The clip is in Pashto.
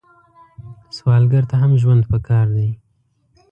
سوالګر ته هم ژوند پکار دی